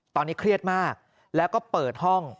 ตอนนี้เครียดมากแล้วก็เปิดห้อง